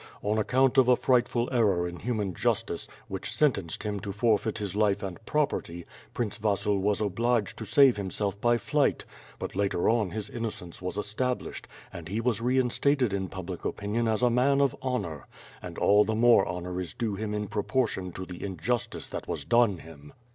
On account of a frightful error in human justice, which sentenced him to forfeit his life and property. Prince Vasil was obliged to save himself by flight; but later on his innocence was established, and he was reinstated in public opinion as a man of honor; and all the more honor is due him in proportion to the injustice that was done him."